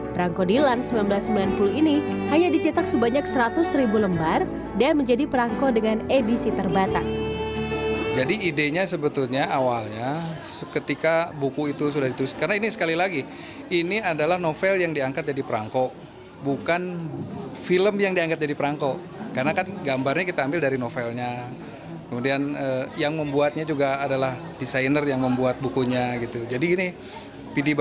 perangko dilan seribu sembilan ratus sembilan puluh ini hanya dicetak sebanyak seratus ribu lembar dan menjadi perangko dengan edisi terbatas